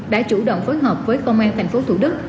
đã chủ động phối hợp với công an thành phố thủ đức